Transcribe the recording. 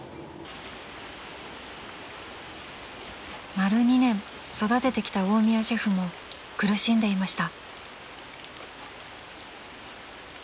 ［丸２年育ててきた大宮シェフも苦しんでいました］